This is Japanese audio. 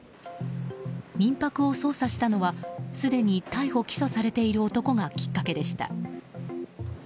民泊を捜査したのはすでに逮捕・起訴されている男がきっかけでした。